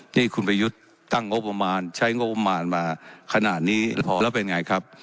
นี่คุณประยุทธ์ตั้งงบประมาณใช้งบประมาณมาขนาดนี้แล้วเป็นไงครับ